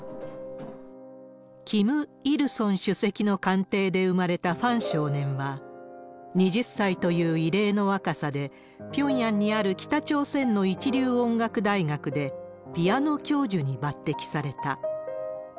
キム・イルソン主席の官邸で生まれたファン少年は、２０歳という異例の若さで、ピョンヤンにある北朝鮮の一流音楽大学でピアノ教授に抜てきされた。